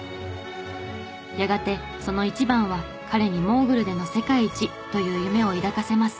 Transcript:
やがてその一番は彼に「モーグルでの世界一」という夢を抱かせます。